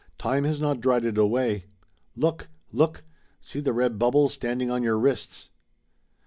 Time has not dried it away. Look! Look! See the red bubbles standing on your wrists!"